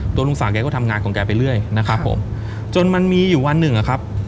ลุงศักดิก็ทำงานของแกไปเรื่อยนะครับผมจนมันมีอยู่วันหนึ่งอะครับ